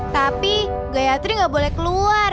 tapi gayatri gak boleh keluar